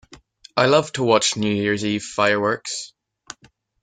I love to watch New Year's Eve fireworks.